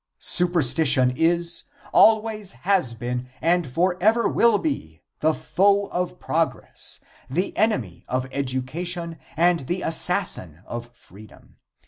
Superstition is, always has been, and forever will be, the foe of progress, the enemy of education and the assassin of freedom.